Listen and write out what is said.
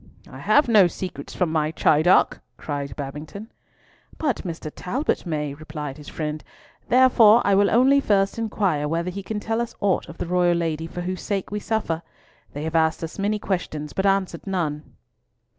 "I have no secrets from my Chidiock," cried Babington. "But Mr. Talbot may," replied his friend, "therefore I will only first inquire whether he can tell us aught of the royal lady for whose sake we suffer. They have asked us many questions, but answered none."